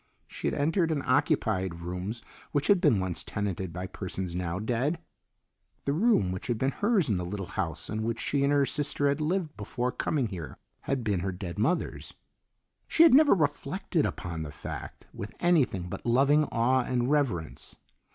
She had entered and occupied rooms which had been once tenanted by persons now dead. The room which had been hers in the little house in which she and her sister had lived before coming here had been her dead mother's. She had never reflected upon the fact with anything but loving awe and reverence.